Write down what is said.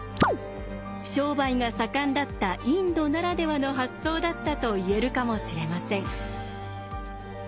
商売が盛んだったインドならではの発想だったと言えるかもしれません。